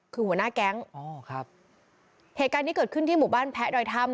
คือหัวหน้าแก๊งอ๋อครับเหตุการณ์นี้เกิดขึ้นที่หมู่บ้านแพะดอยถ้ำ